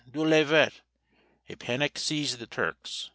Dieu le veut!_ A panic seized the Turks.